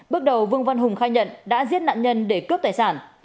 bước đầu vương văn hùng khai nhận đã giết nạn nhân để cướp tài sản